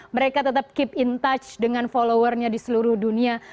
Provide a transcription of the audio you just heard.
mereka tetap keep in touch dengan followernya di seluruh dunia